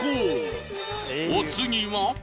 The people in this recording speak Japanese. お次は。